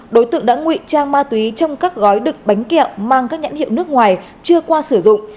đối tượng đã ngụy trang ma túy trong các gói đực bánh kẹo mang các nhãn hiệu nước ngoài chưa qua sử dụng